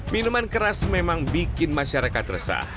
minuman keras memang bikin masyarakat resah